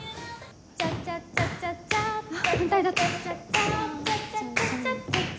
チャチャチャチャチャえ！